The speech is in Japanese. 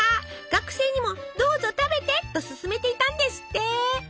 学生にもどうぞ食べてと勧めていたんですって。